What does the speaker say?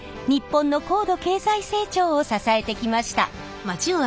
日本の高度経済成長を支えてきました。